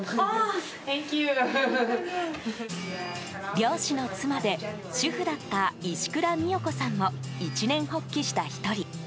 漁師の妻で、主婦だった石倉美世子さんも一念発起した１人。